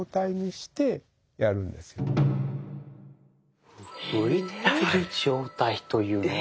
感覚的には浮いている状態というのは。